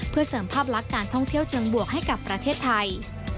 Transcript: เพื่อเสริมภาพลักษณ์การท่องเที่ยวเชิงบวกให้กับประเทศไทย